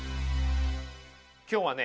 今日はね